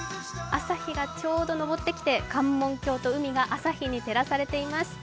朝日がちょうど昇ってきて、関門海峡、朝日に照らされています。